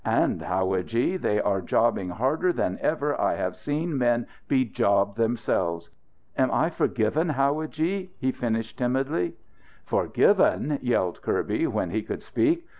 And, howadji, they are jobbing harder than ever I have seen men bejob themselfs. Am I forgiven, howadji?" he finished timidly. "Forgiven!" yelled Kirby, when he could speak.